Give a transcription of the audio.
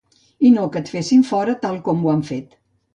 I no que et fessin fora tal com han fet.